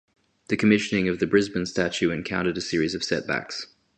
The commissioning of the Brisbane statue encountered a series of setbacks.